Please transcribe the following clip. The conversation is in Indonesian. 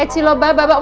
eh cilo mbak